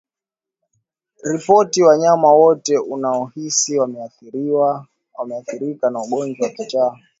Ripoti wanyama wote unaohisi wameathirika na ugonjwa wa kichaa